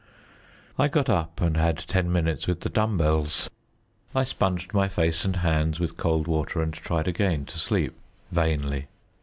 I got up and had ten minutes with the dumbbells. I sponged my face and hands with cold water and tried again to sleep vainly.